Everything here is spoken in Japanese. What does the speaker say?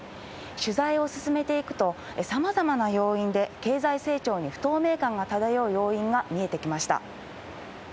取材を進めていくと、さまざまな要因で経済成長に不透明感が漂う要因が見えてきました。